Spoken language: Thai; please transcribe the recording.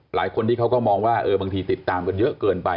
หลายคนที่เขาก็มองว่าบางทีติดตามกันเยอะเกินไป